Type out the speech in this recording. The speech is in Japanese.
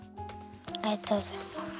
ありがとうございます。